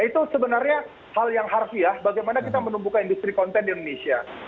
itu sebenarnya hal yang harfiah bagaimana kita menemukan industri konten di indonesia